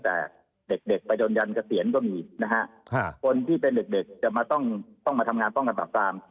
จะทำไปเกี่ยวกับเปิดหลุมต่างนะฮะคนที่เป็นเกษตรเล็กต้องมาทำงานป้องกันบับคราม